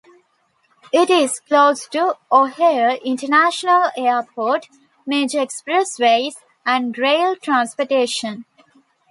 It is close to O'Hare International Airport, major expressways, and rail transportation.